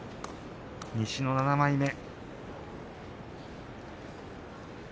西の７枚目です。